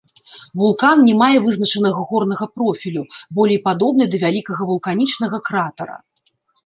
Вулкан не мае вызначанага горнага профілю, болей падобны да вялікага вулканічнага кратара.